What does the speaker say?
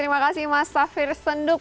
terima kasih terima kasih mas safir senduk